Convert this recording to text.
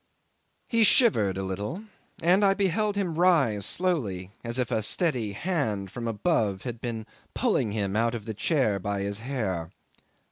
'He shivered a little, and I beheld him rise slowly as if a steady hand from above had been pulling him out of the chair by his hair.